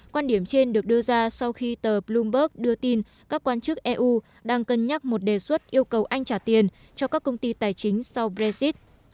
quan điểm trên được đưa ra sau khi tờ bloomberg đưa tin các quan chức eu đang cân nhắc một đề xuất yêu cầu anh trả tiền cho các công ty tài chính sau brexit